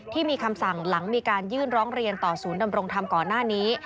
ที่มีคำสั่งหลังมีการยื่นร้องเรียนต่อศูนย์ดำรงธรรมก่อนหน้านี้